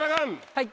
はい。